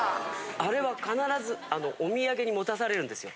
あれは必ずお土産に持たされるんですよ。